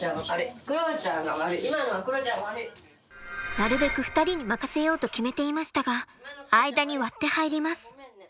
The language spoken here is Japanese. なるべく２人に任せようと決めていましたが間に割って入ります。